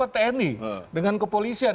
tni dengan kepolisian